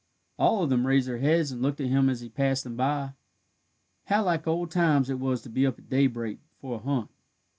All of them raised their heads and looked at him as he passed them by. How like old times it was to be up at daybreak for a hunt!